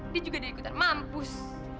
dia juga diikutan mampus